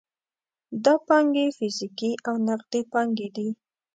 دا پانګې فزیکي او نغدي پانګې دي.